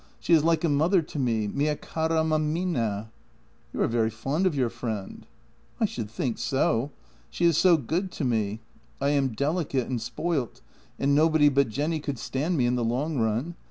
She is like a mother to me — Mia cara mammina." "You are very fond of your friend? "" I should think so! She is so good to me. I am delicate and spoilt, and nobody but Jenny could stand me in the long run.